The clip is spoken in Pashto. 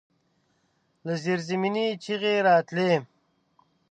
له زيرزمينې چيغې راتلې.